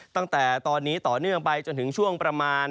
ตั้งแต่ตอนนี้ต่อเนื่องไปจนถึงช่วงประมาณ